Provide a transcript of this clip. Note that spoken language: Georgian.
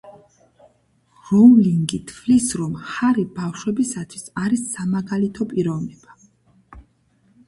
როულინგი თვლის, რომ ჰარი ბავშვებისათვის არის სამაგალითო პიროვნება.